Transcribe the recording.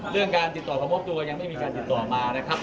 เรื่องการติดต่อมามอบตัวยังไม่มีการติดต่อมานะครับ